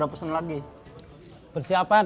tidak pesan lagi persiapan